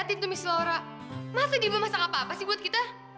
liatin tuh miss laura masa dibuat masak apa apa sih buat kita